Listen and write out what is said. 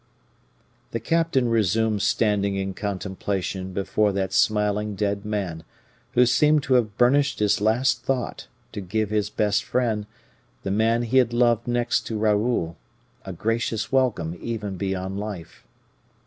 The captain resumed standing in contemplation before that smiling dead man, who seemed to have burnished his last thought, to give his best friend, the man he had loved next to Raoul, a gracious welcome even beyond life.